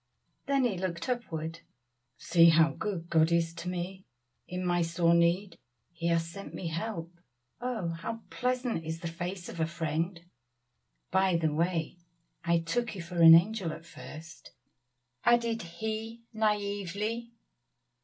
Then he looked upward "See how good God is to me! in my sore need He has sent me help. Oh! how pleasant is the face of a friend. By the way, I took you for an angel at first," added he naively.